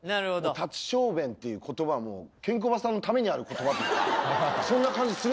立ち小便っていう言葉はもうケンコバさんのためにある言葉というかそんな感じする。